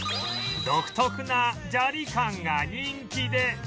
独特なジャリ感が人気で